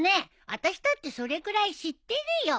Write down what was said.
あたしだってそれくらい知ってるよ。